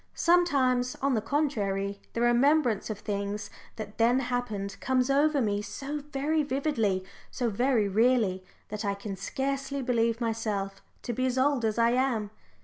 Sometimes, on the contrary, the remembrance of things that then happened comes over me so very vividly, so very real ly, that I can scarcely believe myself to be as old as I am.